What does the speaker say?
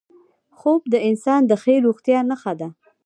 خوب د انسان د ښې روغتیا نښه ده